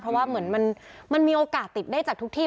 เพราะว่าเหมือนมันมีโอกาสติดได้จากทุกที่